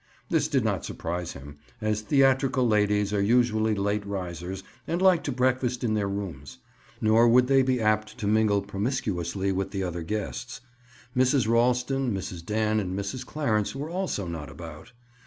This did not surprise him, as theatrical ladies are usually late risers and like to breakfast in their rooms; nor would they be apt to mingle promiscuously with the other guests. Mrs. Ralston, Mrs. Dan and Mrs. Clarence were also not about.